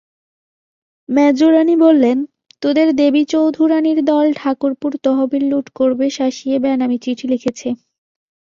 মেজোরানী বললেন, তোদের দেবীচৌধুরানীর দল ঠাকুরপোর তহবিল লুঠ করবে শাসিয়ে বেনামি চিঠি লিখেছে।